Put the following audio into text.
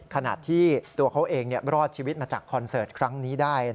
ขณะที่ตัวเขาเองรอดชีวิตมาจากคอนเสิร์ตครั้งนี้ได้